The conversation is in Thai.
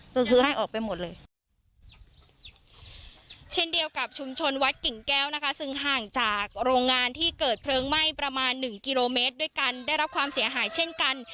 ก็คือให้ออกไปหมดเลยเช่นเดียวกับชุมชนวัดกิ่งแก้วนะคะซึ่งห่างจากโรงงานที่เกิดเพลิงไหม้ประมาณหนึ่งกิโลเมตรด้วยกันได้รับความเสียหายเช่นกัน